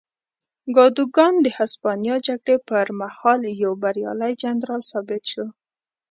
کادوګان د هسپانیا جګړې پر مهال یو بریالی جنرال ثابت شو.